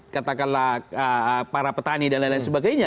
katakanlah para petani dan lain lain sebagainya